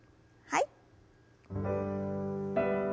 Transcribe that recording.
はい。